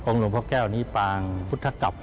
หลวงพ่อแก้วนี้ปางพุทธกับ